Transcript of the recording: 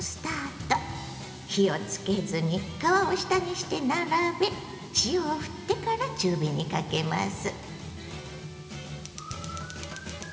火をつけずに皮を下にして並べ塩をふってから中火にかけます。